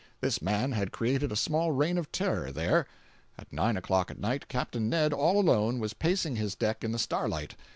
This man had created a small reign of terror there. At nine o'clock at night, Capt. Ned, all alone, was pacing his deck in the starlight.